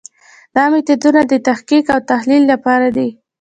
دا میتودونه د تحقیق او تحلیل لپاره دي.